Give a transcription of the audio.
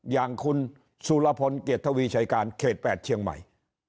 อย่างคุณสุรพลเกียรติทวีชัยการเขต๘เชียงใหม่